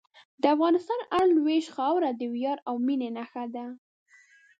د افغانستان هره لویشت خاوره د ویاړ او مینې نښه ده.